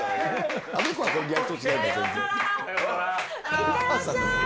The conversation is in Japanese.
いってらっしゃい。